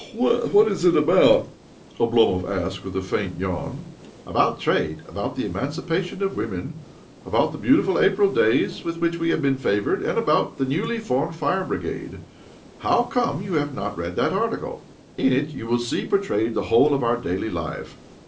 " What is it about ?" Oblomov asked with a faint yawn. " About trade, about the emancipation of women, about the beautiful April days with which we have been favoured, and about the newly formed fire brigade. How come you not to have read that article ? In it you will see portrayed the whole of our daily life.